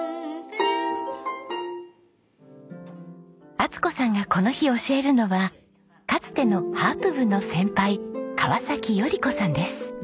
充子さんがこの日教えるのはかつてのハープ部の先輩川依子さんです。